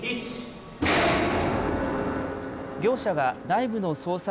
業者が内部の操作